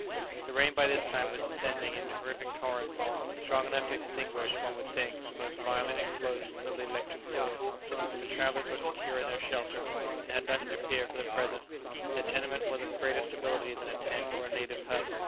The rain by this time was descending in terrific torrents, strong enough to extinguish, one would think, the most violent explosions of the electric fluid. But the travellers were secure in their shelter, and had nothing to fear for the present; their tenement was of greater stability than a tent or a native hut.